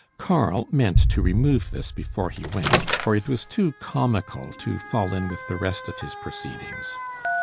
Karl meant to remove this before he went, for it was too comical to fall in with the rest of his proceedings.